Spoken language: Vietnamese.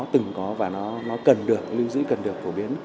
từng có và nó cần được lưu giữ cần được phổ biến